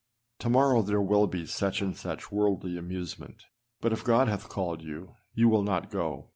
â To morrow, there will be such and such worldly amusement, but if God hath called you, you will not go.